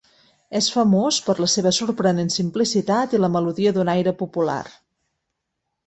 És famós per la seva sorprenent simplicitat i la melodia d'un aire popular.